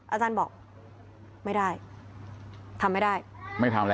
อาจารย์บอกไม่ได้ทำไม่ได้